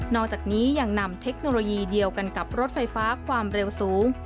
อกจากนี้ยังนำเทคโนโลยีเดียวกันกับรถไฟฟ้าความเร็วสูง